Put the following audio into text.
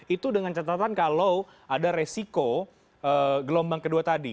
itu dengan catatan kalau ada resiko gelombang kedua tadi